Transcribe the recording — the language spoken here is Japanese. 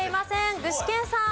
具志堅さん。